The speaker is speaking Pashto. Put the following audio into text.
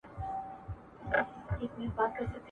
علم د دواړو جهانونو رڼا ده ..